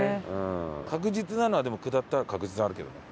確実なのはでも下ったら確実にあるけどね。